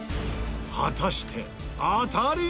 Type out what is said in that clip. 果たして当たりなのか？